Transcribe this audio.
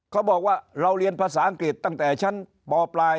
เขาบอกว่าเราเรียนภาษาอังกฤษตั้งแต่ชั้นปปลาย